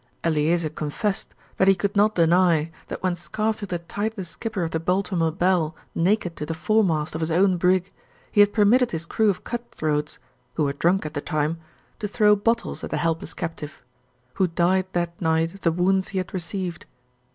Eleazer confessed that he could not deny that when Scarfield had tied the skipper of the Baltimore Belle naked to the foremast of his own brig he had permitted his crew of cutthroats (who were drunk at the time) to throw bottles at the helpless captive, who died that night of the wounds he had received.